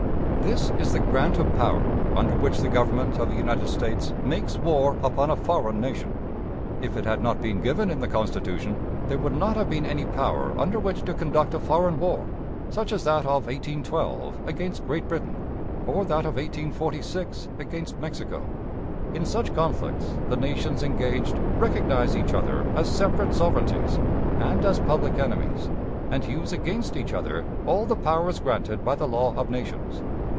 This is the grant of power under which the Government of the United States makes war upon a foreign nation. If it had not been given in the Constitution, there would not have been any power under which to conduct a foreign war, such as that of 1812 against Great Britain or that of 1846 against Mexico. In such conflicts the nations engaged recognize each other as separate sovereignties and as public enemies, and use against each other all the powers granted by the law of nations.